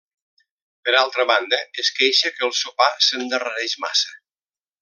Per altra banda, es queixa que el sopar s'endarrereix massa.